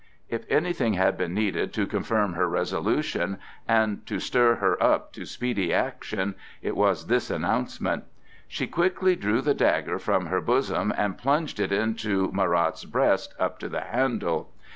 If anything had been needed to confirm her resolution and to stir her up to speedy action, it was this announcement. She quickly drew the dagger from her bosom and plunged it into Marat's breast up to the handle.